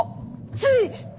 つい。